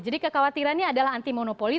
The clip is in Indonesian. jadi kekhawatirannya adalah anti monopoly